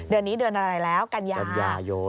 เดือนนี้ก็อะไรแล้วกันญา